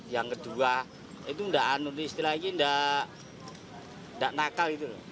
yang kedua itu tidak anonis lagi tidak nakal